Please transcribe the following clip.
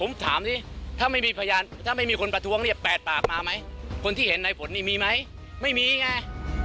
ผมถามสิถ้าไม่มีพยานถ้าไม่มีคนประท้วงเนี่ย๘ปากมาไหมคนที่เห็นในผลนี่มีไหมไม่มีไง